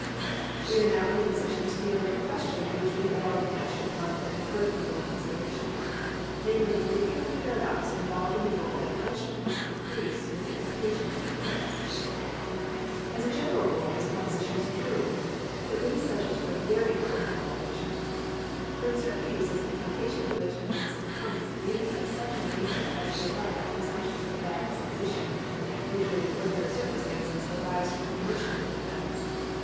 We are now in a position to deal with a question which we have already touched upon but deferred for fuller considera tion, namely the apparent paradox involved in the rule that punishment must increase with the temptation to the offence. As a general rule this proposition is true ; but it is subjec^t to a very important qualification. For in certain cases the temptation to which a man succumbs may be of such a nature as to rebut that presumption of a bad disposition which would in ordinary circumstances arise from the commission of the offence.